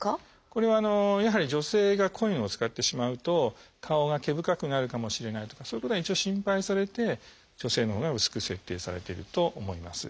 これはやはり女性が濃いのを使ってしまうと顔が毛深くなるかもしれないとかそういうことが一応心配されて女性のほうが薄く設定されていると思います。